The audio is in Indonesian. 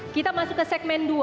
kita masuk ke segmen dua